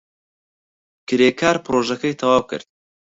کرێکار پرۆژەکەی تەواو کرد.